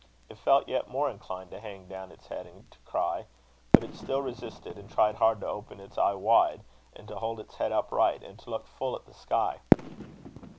It felt yet more inclined to hang down its head and to cry; but it still resisted, and tried hard to open its eye wide, and to hold its head upright, and to look full at the sky.